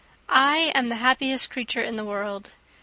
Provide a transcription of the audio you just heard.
I am the happiest creature in the world.